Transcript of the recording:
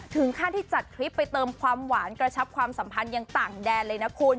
ถึงขั้นที่จัดทริปไปเติมความหวานกระชับความสัมพันธ์ยังต่างแดนเลยนะคุณ